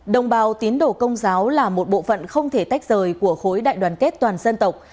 đồng bào tín đồ công giáo là một bộ phận không thể tách rời của khối đại đoàn kết toàn dân tộc